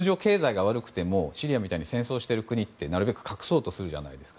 通常、経済が悪くてもシリアみたいに戦争している国ってなるべく隠そうとするじゃないですか。